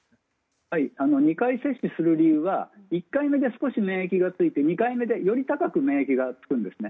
２回接種する理由は１回目で少し免疫がついて２回目でより高く免疫がつくんですね。